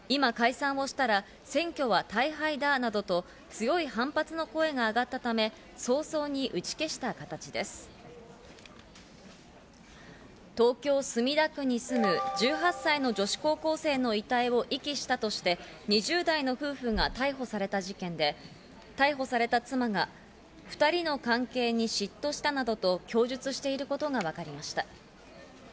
今、解散をしたら選挙は大敗だなどと強い反発の声が上がったため、東京・墨田区に住む１８歳の女子高校生の遺体を遺棄したとして、２０代の夫婦が逮捕された事件で、逮捕された妻が２人の関係に嫉妬したなどと供述していることがわかりました。